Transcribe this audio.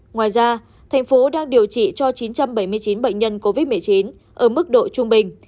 ngoài ra thành phố đang điều trị cho chín trăm bảy mươi chín bệnh nhân covid một mươi chín ở mức độ trung bình